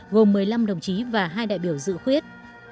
gồm một mươi năm đồng chí và hai đại biểu dự khuyết